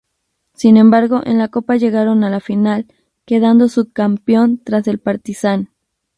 Sin embargo en la Copa llegaron a la final, quedando subcampeón tras el Partizan.